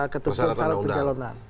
ketutupan secara percalonan